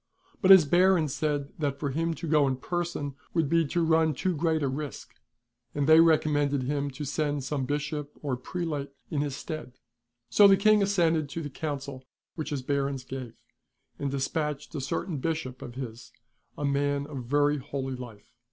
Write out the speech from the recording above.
But his Barons said that for him to go in person would be to run too great a risk ; and they recommended him to send some bishop or prelate in his stead. So the King assented to the counsel which his Barons gave, and despatched a certain Bishop of his, a man of very holy life.